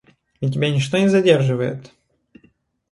Ведь тебя ничто не задерживает?